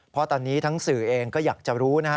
เพราะตอนนี้ทั้งสื่อเองก็อยากจะรู้นะฮะ